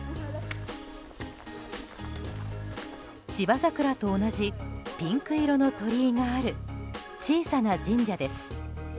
芝桜と同じピンク色の鳥居がある小さな神社です。